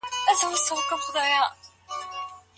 خیرات ځانته په پیسو نه کېږي.